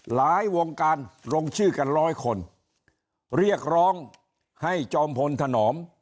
วงการลงชื่อกันร้อยคนเรียกร้องให้จอมพลถนอม